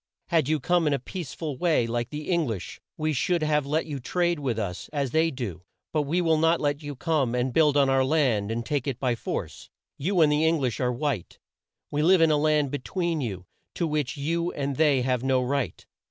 "Had you come in a peace ful way, like the Eng lish, we should have let you trade with us as they do, but we will not let you come and build on our land and take it by force. "You and the Eng lish are white. We live in a land be tween you, to which you and they have no right.